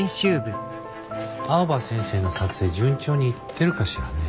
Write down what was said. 青葉先生の撮影順調にいってるかしらね。